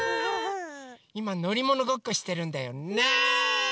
いまのりものごっこしてるんだよ。ね！